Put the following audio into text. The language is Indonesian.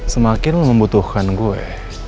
semakin lo membutuhkan gue